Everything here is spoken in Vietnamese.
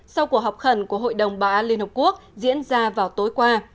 sau cuộc họp khẩn của hội đồng bã liên hợp quốc diễn ra vào tối qua